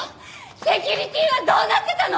セキュリティーはどうなってたの！？